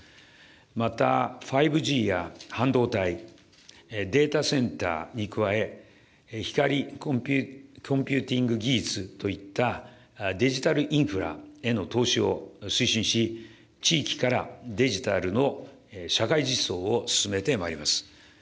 また、５Ｇや半導体、データセンターに加え、光コンピューティング技術といった、デジタルインフラへの投資を推進し、地域からデジタルの社会実装を進めてまいります。